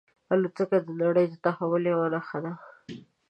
الوتکه د نړۍ د تحول یوه نښه ده.